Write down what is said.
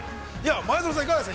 ◆前園さん、いかがですか。